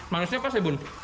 manisnya pas ya bun